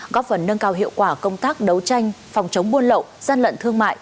góp phần nâng cao hiệu quả công tác đấu tranh phòng chống buôn lậu gian lận thương mại